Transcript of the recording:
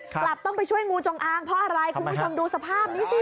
กลับต้องไปช่วยงูจงอางเพราะอะไรคุณผู้ชมดูสภาพนี้สิ